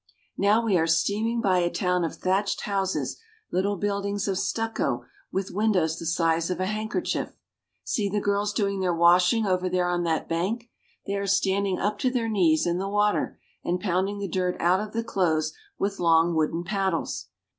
Now we are steaming by a town of thatched houses, little buildings of stucco with windows the size of a hand kerchief. See the girls doing their washing over there on that bank. They are standing up to their knees in the water and pounding the dirt out of the clothes with long wooden paddles.